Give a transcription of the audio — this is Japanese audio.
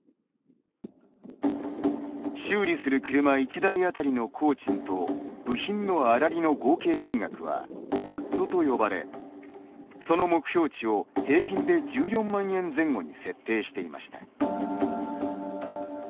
修理する車１台当たりの工賃と部品の粗利の合計金額は＠と呼ばれその目標値を平均で１４万円前後に設定していました。